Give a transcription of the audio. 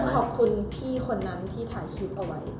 ขอบคุณพี่คนนั้นที่ถ่ายคลิปเอาไว้